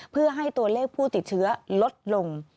เพื่อให้ตัวเลขผู้ติดเชื้อลดลง